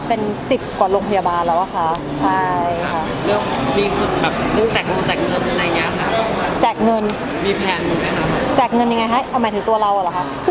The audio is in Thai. เป็น๑๐กว่าโรงพยาบาลแล้วค่ะ